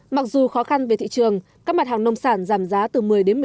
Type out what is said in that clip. mặc dù khó khăn về thị trường các mặt hàng nông sản giảm giá từ một mươi một mươi năm